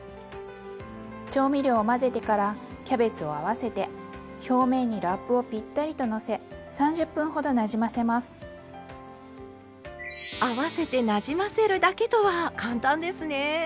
調味料を混ぜてからキャベツを合わせて表面に合わせてなじませるだけとは簡単ですね。